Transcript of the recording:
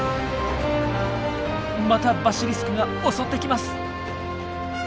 またバシリスクが襲ってきます。